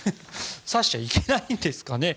指しちゃいけないんですかね。